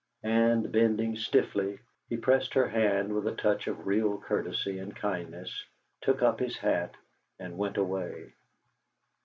And bending stiffly, he pressed her hand with a touch of real courtesy and kindness, took up his hat, and went away.